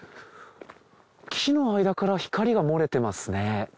木の間から光が漏れてますね。